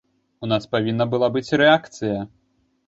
У нас павінна была быць рэакцыя.